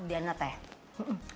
dia gak mau menyakiti kamu